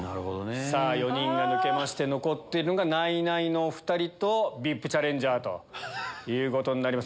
さぁ４人が抜けまして残っているのがナイナイのお２人とＶＩＰチャレンジャーということになります。